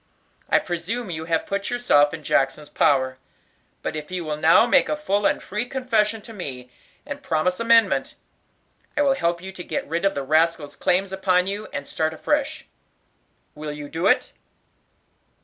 I presume you have put yourself in Jackson's power; but if you will now make a full and free confession to me, and promise amendment, I will help you to get rid of the rascal's claims upon you, and start afresh. Will you do it?"